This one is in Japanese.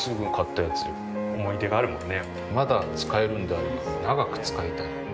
まだ使えるんであれば長く使いたい。